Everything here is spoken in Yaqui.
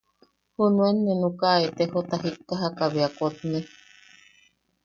Junuen nee nukaʼa etejota jikkajaka bea kotne.